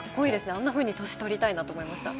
あんなふうに年取りたいなと思いました